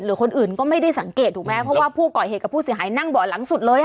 คนอื่นก็ไม่ได้สังเกตถูกไหมเพราะว่าผู้ก่อเหตุกับผู้เสียหายนั่งเบาะหลังสุดเลย